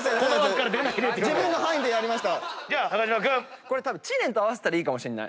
これ知念と合わせたらいいかもしれない。